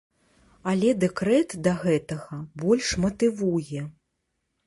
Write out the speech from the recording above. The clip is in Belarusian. Але дэкрэт да гэтага, больш матывуе.